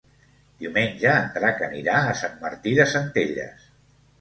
Diumenge en Drac anirà a Sant Martí de Centelles.